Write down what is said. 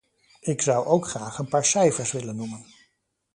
Ik zou ook graag een paar cijfers willen noemen.